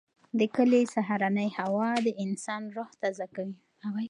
د کلي سهارنۍ هوا د انسان روح تازه کوي.